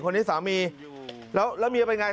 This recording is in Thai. คนนี้สามีแล้วเมียเป็นยังไง